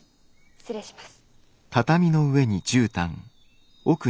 失礼します。